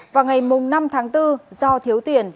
vào ngày năm tháng bốn do thiếu tiền